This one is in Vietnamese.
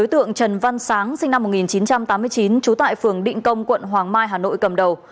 tượng trần văn sáng sinh năm một nghìn chín trăm tám mươi chín trú tại phường định công quận hoàng mai hà nội cầm đầu